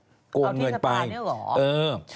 เอาที่สปาเนี่ยหรอ